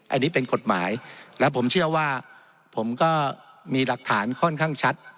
อันนี้เป็นกฎหมายและผมเชื่อว่าผมก็มีหลักฐานค่อนข้างชัด